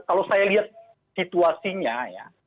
kalau saya lihat situasinya ya